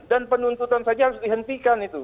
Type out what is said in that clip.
dan penuntutan saja harus dihentikan itu